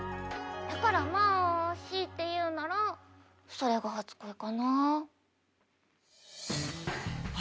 だからまぁ強いて言うならそれが初恋かな。